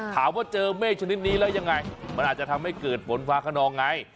ถามว่าเจอเมฆชนิดนี้แล้วยังไงมันอาจจะทำให้เกิดฝนฟ้าขนองไง